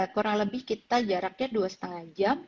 kurang lebih kita jaraknya dua lima jam